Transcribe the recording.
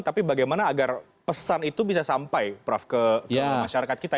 tapi bagaimana agar pesan itu bisa sampai prof ke masyarakat kita